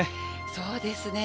そうですね。